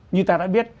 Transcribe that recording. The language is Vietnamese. như ta đã biết